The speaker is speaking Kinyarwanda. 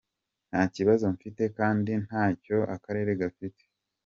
“Nta kibazo mfite, kandi nta n’icyo akarere gafite .”